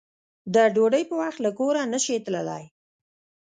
د ډوډۍ په وخت کې له کوره نشې تللی